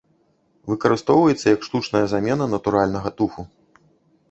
Выкарыстоўваецца як штучная замена натуральнага туфу.